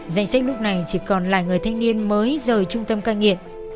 giành sách lúc này chỉ còn lại người thanh niên mới rời trung tâm ca nghiện